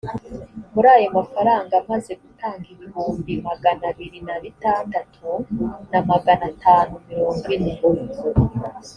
muri ayo mafaranga amaze gutanga ibihumbi magana abiri na bitandatu na magana atanu mirongo ine